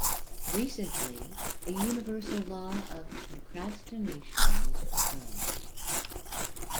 Recently, a Universal Law of Procrastination was proposed.